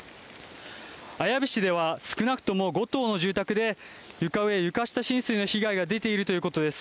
綾部市は少なくとも５棟の住宅で床上・床下浸水の被害が出ているということです。